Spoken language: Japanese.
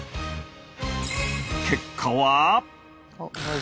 結果は？